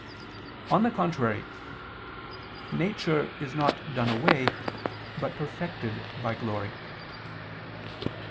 On the contrary, Nature is not done away, but perfected, by glory.